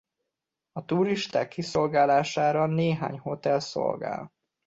A turisták kiszolgálására néhány hotel szolgál.